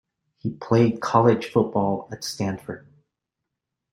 He played college football at Stanford.